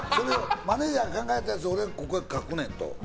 マネジャー考えたやつをここへ書くねんと。